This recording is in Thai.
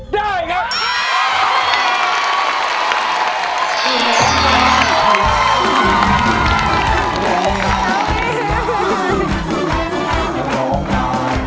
ได้ครับ